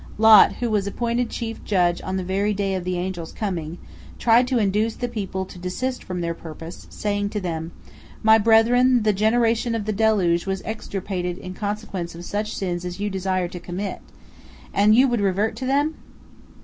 Lot, who was appointed chief judge on the very day of the angels' coming, tried to induce the people to desist from their purpose, saying to them, "My brethren, the generation of the deluge was extirpated in consequence of such sins as you desire to commit, and you would revert to them?"